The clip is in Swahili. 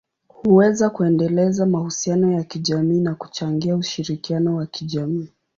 huweza kuendeleza mahusiano ya kijamii na kuchangia ushirikiano wa kijamii.